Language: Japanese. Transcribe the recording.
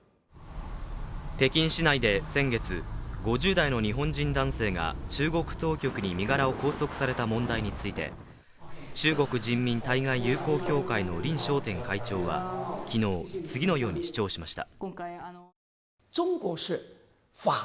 北京市内で先月５０代の日本人男性が中国当局に身柄を拘束された問題について、中国人民対外友好協会の林松添会長は昨日次のように主張しました。